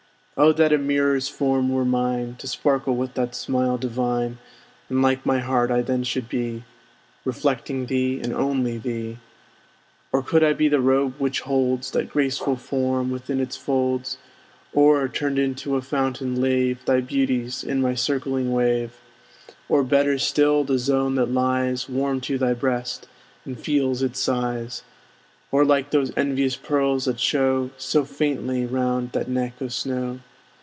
Oh that a mirror's form were mine, To sparkle with that smile divine; And like my heart I then should be, Reflecting thee, and only thee! Or could I be the robe which holds That graceful form within its folds; Or, turned into a fountain, lave Thy beauties in my circling wave; Or, better still, the zone that lies Warm to thy breast, and feels its sighs! Or like those envious pearls that show So faintly round that neck of snow!